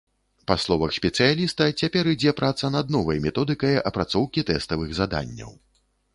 Па словах спецыяліста, цяпер ідзе праца над новай методыкай апрацоўкі тэставых заданняў.